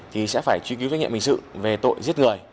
thì sẽ phải truy cứu trách nhiệm hình sự về tội giết người